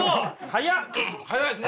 早いっすね。